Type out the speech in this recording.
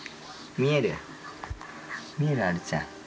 見えるあるちゃん。